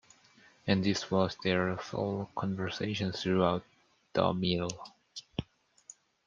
And this was their sole conversation throughout the meal.